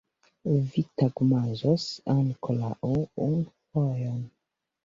Vi tagmanĝos ankoraŭ unu fojon!